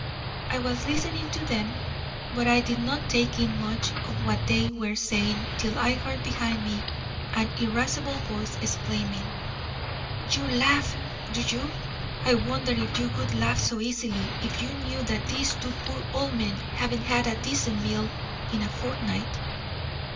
I was listening to them, but I did not take in much of what they were saying till I heard behind me an irascible voice exclaiming: 'You laugh, do you? I wonder if you would laugh so easily if you knew that these two poor old men haven't had a decent meal in a fortnight?'